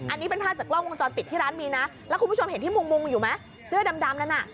อันนี้เป็นภาพจากกล้องวงจรปิดที่ร้านมีนะแล้วคุณผู้ชมเห็นที่มุงมุงอยู่ไหมเสื้อดำนั้นน่ะ